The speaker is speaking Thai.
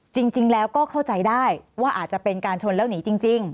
จริงแล้วก็เข้าใจได้ว่าอาจจะเป็นการชนแล้วหนีจริง